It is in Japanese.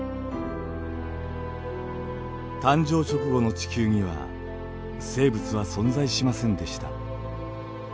誕生直後の地球には生物は存在しませんでした。